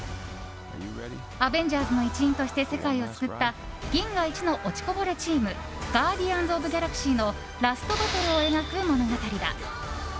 アベンジャーズの一員として世界を救った銀河一の落ちこぼれチームガーディアンズ・オブ・ギャラクシーのラストバトルを描く物語だ。